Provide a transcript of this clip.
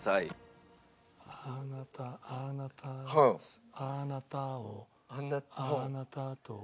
「あなたあなたあなたをあなたと」